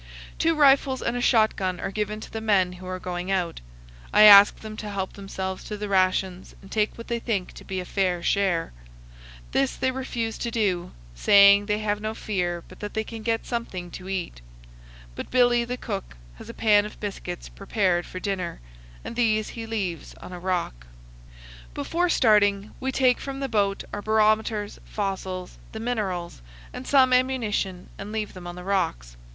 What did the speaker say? Two rifles and a shotgun are given to the men who are going out. I ask them to help themselves to the rations and take what they think to be a fair share. This they refuse to do, saying they have no fear but that they can get something to eat; but Billy, the cook, has a pan of biscuits prepared for dinner, and these he leaves on a rock. Before starting, we take from the boat our barometers, fossils, the minerals, and some ammunition and leave them on the rocks.